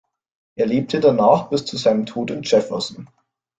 Er lebte danach bis zu seinem Tod in Jefferson.